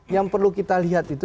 yang perlu kita lihat itu